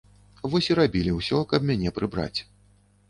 Вось і рабілі ўсё, каб мяне прыбраць.